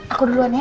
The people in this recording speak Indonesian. aku duluan ya